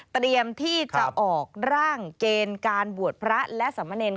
เตรียมที่จะออกร่างเกณฑ์การบวชพระและสมเนร